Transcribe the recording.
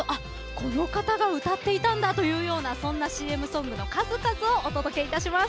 この方が歌っていたんだというようなそんなＣＭソングの数々をお届けいたします。